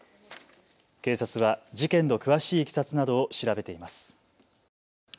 警察は事件の詳しいいきさつなどを調べています。